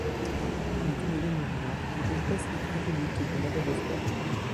Comme tous les lémuriens, cette espèce est endémique de Madagascar.